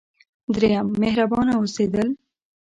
دریم: مهربانه اوسیدل.